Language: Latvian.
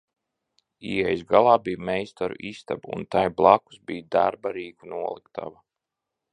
Ieejas galā bija meistaru istaba un tai blakus bija darba rīku noliktava.